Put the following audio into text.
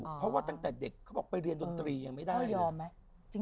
เพราะว่าตั้งแต่เด็กเขาบอกไปเรียนดนตรียังไม่ได้เรียนไหม